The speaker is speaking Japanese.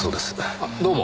あっどうも。